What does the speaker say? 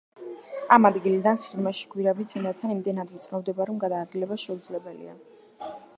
ამ ადგილიდან სიღრმეში გვირაბი თანდათან იმდენად ვიწროვდება, რომ გადაადგილება შეუძლებელია.